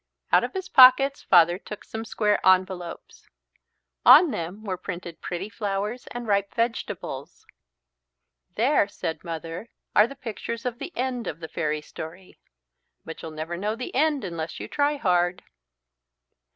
Out of his pockets Father took some square envelopes. On them were printed pretty flowers and ripe vegetables. "There," said Mother, "are the pictures of the end of the fairy story. But you'll never know the end unless you try hard."